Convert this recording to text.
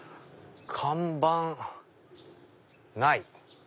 看板ない！